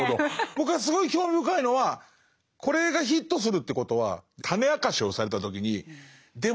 僕がすごい興味深いのはこれがヒットするということは種明かしをされた時にでも何か分かるぞって。